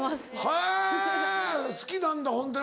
へぇ好きなんだホントに。